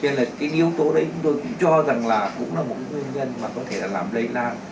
nên là yếu tố đấy chúng tôi cũng cho rằng là cũng là một nguyên nhân mà có thể làm lấy lan